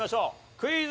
クイズ。